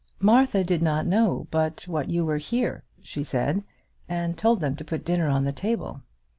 "Martha did not know but what you were here," she said, "and told them to put dinner on the table."